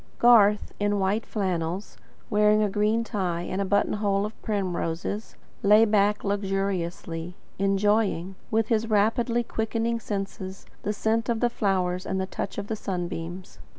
Garth, in white flannels, wearing a green tie and a button hole of primroses, lay back luxuriously, enjoying, with his rapidly quickening senses, the scent of the flowers and the touch of the sun beams.